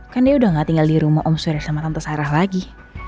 kan dia udah gak tinggal di rumah omset sama tante sarah lagi